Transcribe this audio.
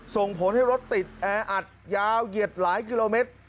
ส่งผลให้รถติดแออัดยาวเหยียดหลายกิโลเมตร